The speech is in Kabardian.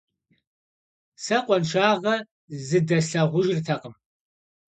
Сэ къуаншагъэ зыдэслъагъужыртэкъым.